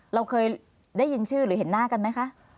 เราเคยได้ยินชื่อหรือเห็นหน้ากันไหมคะ